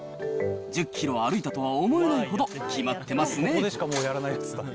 １０キロ歩いたとは思えないほど、きまってますね。